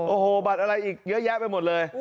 โอ้โหเยอะแยะไปหมดเลย